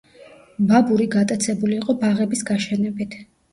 ბაბური გატაცებული იყო ბაღების გაშენებით.